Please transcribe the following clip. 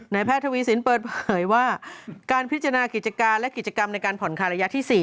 แพทย์ทวีสินเปิดเผยว่าการพิจารณากิจการและกิจกรรมในการผ่อนคลายระยะที่๔